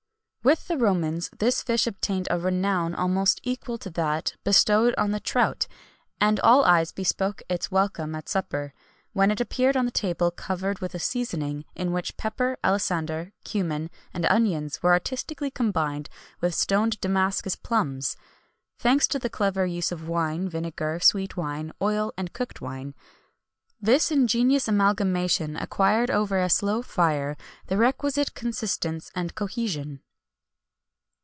[XXI 162] With the Romans, this fish obtained a renown almost equal to that bestowed on the trout; and all eyes bespoke its welcome at supper, when it appeared on the table, covered with a seasoning in which pepper, alisander, cummin, and onions were artistically combined with stoned Damascus plums thanks to the clever use of wine, vinegar, sweet wine, oil, and cooked wine. This ingenious amalgamation acquired over a slow fire the requisite consistence and cohesion.